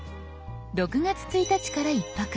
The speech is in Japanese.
６月１日から１泊。